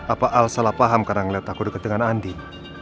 apa al salah paham karena ngeliat aku dekat dengan andi